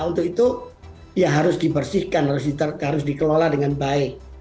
untuk itu ya harus dibersihkan harus dikelola dengan baik